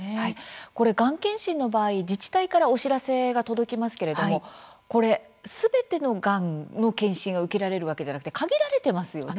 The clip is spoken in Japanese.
がん検診の場合自治体からお知らせが届きますけれどもこれ、すべてのがんの検診が受けられるわけではなくて限られていますよね。